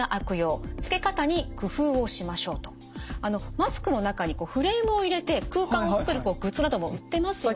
マスクの中にフレームを入れて空間を作るグッズなども売ってますよね。